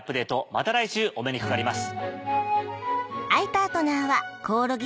また来週お目にかかります。